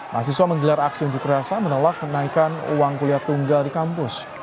mahasiswa menggelar aksi unjuk rasa menolak kenaikan uang kuliah tunggal di kampus